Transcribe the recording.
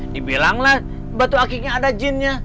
dibilanglah batu akiknya ada jinnya